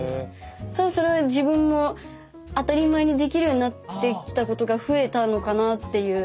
それは自分も当たり前にできるようになってきたことが増えたのかなっていう。